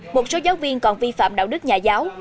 một số giáo viên còn vi phạm đạo đức nhà giáo